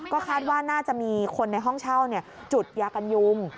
ก็คาดว่าน่าจะมีคนในห้องเช่าจุดยากันยุง